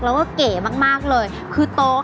เพราะว่าผักหวานจะสามารถทำออกมาเป็นเมนูอะไรได้บ้าง